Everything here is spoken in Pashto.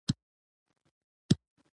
د شکایت بهیر باید ساده وي.